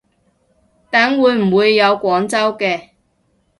等會唔會有廣州嘅